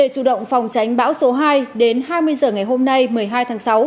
chủ động phòng tránh bão số hai đến hai mươi h ngày hôm nay một mươi hai tháng sáu